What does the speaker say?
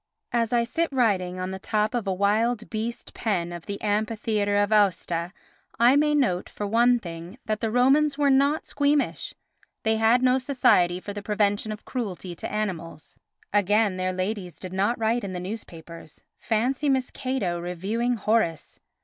As I sit writing on the top of a wild beast pen of the amphitheatre of Aosta I may note, for one thing, that the Romans were not squeamish, they had no Society for the Prevention of Cruelty to Animals. Again, their ladies did not write in the newspapers. Fancy Miss Cato reviewing Horace!